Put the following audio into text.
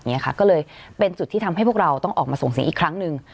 ก็เลยเป็นจุดที่ทำให้พวกเราต้องออกมาส่งเสียงอีกครั้งหนึ่ง